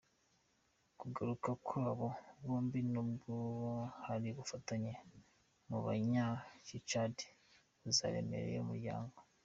Kugaruka kw’abo bombi, nubwo hari ubufatanye mu Banya-Tchad, kuzaremerera umuryango.